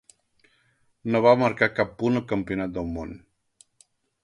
No va marcar cap punt al Campionat del món.